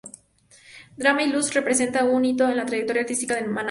Drama y luz representa un hito en la trayectoria artística de Maná.